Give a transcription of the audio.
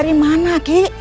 dari mana kik